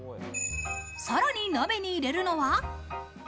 さらに鍋に入れるのは。